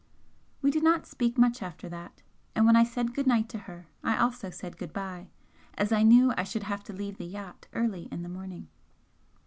We did not speak much after that and when I said good night to her I also said good bye, as I knew I should have to leave the yacht early in the morning.